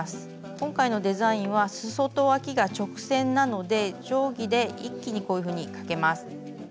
今回のデザインはすそとわきが直線なので定規で一気にこういうふうに描けます。